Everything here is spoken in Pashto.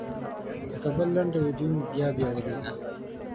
د کابل لنډه ویډیو مې بیا بیا ولیده.